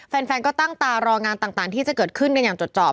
แฟนก็ตั้งตารองานต่างที่จะเกิดขึ้นกันอย่างจดจอบ